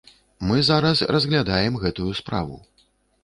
Мы зараз разглядаем гэтую справу.